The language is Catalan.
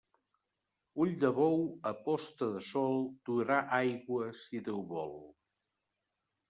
Ull de bou a posta de sol durà aigua si Déu vol.